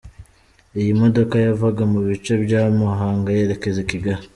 Iyi modoka yavaga mu bice bya Muhanga yerekeza i Kigali.